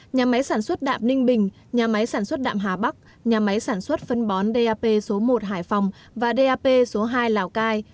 nhà máy sản xuất đạm ninh bình nhà máy sản xuất đạm hà bắc nhà máy sản xuất phân bón dap số một hải phòng và dap số hai lào cai